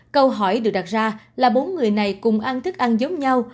câu hỏi được đặt ra là bốn người này cùng ăn thức ăn giống nhau